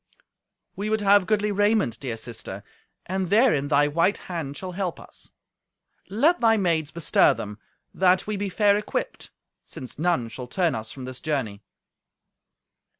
"We would have goodly raiment, dear sister, and therein thy white hand shall help us. Let thy maids bestir them, that we be fair equipped, since none shall turn us from this journey."